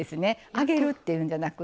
揚げるっていうんじゃなくて。